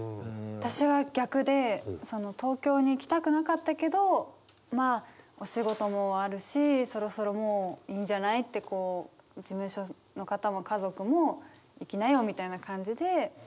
私は逆で東京に来たくなかったけどまあお仕事もあるしそろそろもういいんじゃないって事務所の方も家族も行きなよみたいな感じで。